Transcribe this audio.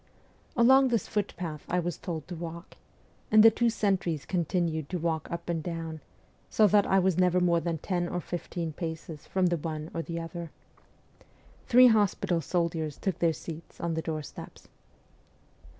Along this foot path I was told to walk, and the two sentries continued to walk up and down so that I was never more than ten or fifteen paces from the one or the other. Three hospital soldiers took their seats on the doorsteps.